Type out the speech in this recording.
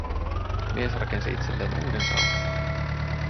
Mies rakensi itselleen uuden saunan